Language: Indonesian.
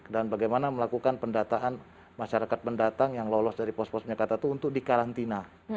dan bagaimana melakukan pendataan masyarakat pendatang yang lolos dari pos pos penyekatan itu untuk dikarantina